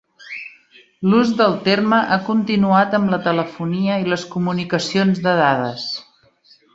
L'ús del terme ha continuat amb la telefonia i les comunicacions de dades.